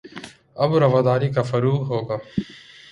اب رواداری کا فروغ ہو گا